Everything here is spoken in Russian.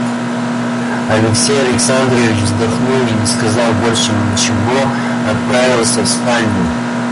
Алексей Александрович вздохнул и, не сказав больше ничего, отправился в спальню.